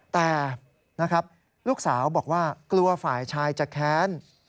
แต่นะครับลูกสาวบอกว่ากลัวฝ่ายชายจะแค้น